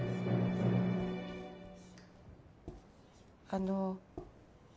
あの。